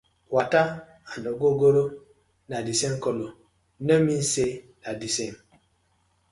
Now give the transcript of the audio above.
Water and ogogoro na the same colour, no mean say na the same: